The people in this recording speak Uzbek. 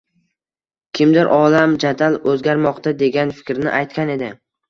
kimdir olam jadal oʻzgarmoqda, degan fikrni aytgan edi.